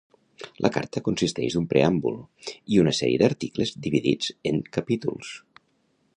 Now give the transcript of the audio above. La Carta consisteix d'un preàmbul i una sèrie d'articles dividits en capítols.